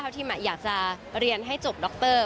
ทัพทิมอยากจะเรียนให้จบด็อกเตอร์